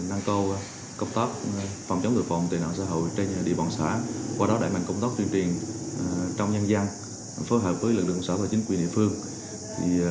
nâng câu cộng tác phòng chống tội phòng tệ nạn xã hội trên địa bàn xã qua đó đẩy mạnh công tác truyền truyền trong nhân dân phối hợp với lực lượng xã và chính quyền địa phương